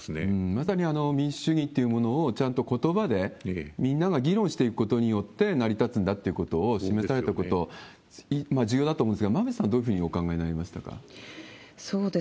まさに民主主義というものをちゃんとことばでみんなが議論していくことによって成り立つんだということを示されたこと、重要だと思うんですが、馬渕さん、どういうふうにお考えになりました